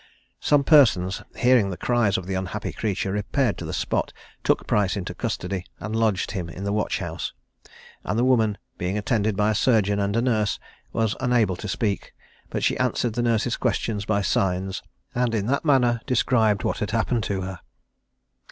Some persons, hearing the cries of the unhappy creature, repaired to the spot, took Price into custody, and lodged him in the watch house; and the woman, being attended by a surgeon and a nurse, was unable to speak, but she answered the nurse's questions by signs, and in that manner described what had happened to her.